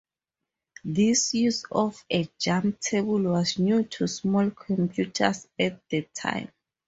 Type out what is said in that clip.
This use of a jump table was new to small computers at the time.